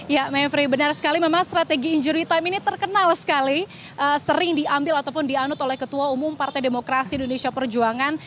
ya mevri benar sekali memang strategi injury time ini terkenal sekali sering diambil ataupun dianut oleh ketua umum partai demokrasi indonesia perjuangan